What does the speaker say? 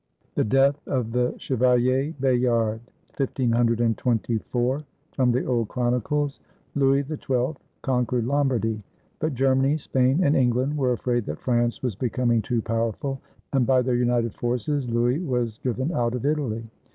THE DEATH OF THE CHEVALIER BAYARD FROM THE OLD CHRONICLES [Louis XII conquered Lombardy ; but Germany, Spain, and England were afraid that France was becoming too powerful, and by their united forces Louis was driven out of Italy.